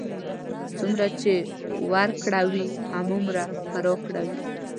څومره چې ورکړه وي، هماغومره به راکړه وي.